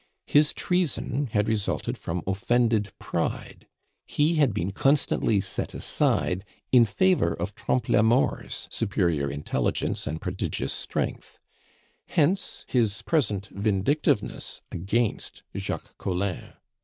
His treason had resulted from offended pride; he had been constantly set aside in favor of Trompe la Mort's superior intelligence and prodigious strength. Hence his persistent vindictiveness against Jacques Collin.